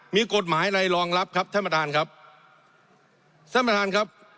มีกฎหมายเลยรองรับครับท่านประทานครับ